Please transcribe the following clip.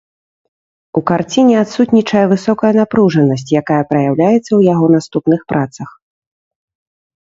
У карціне адсутнічае высокая напружанасць, якая праяўляецца ў яго наступных працах.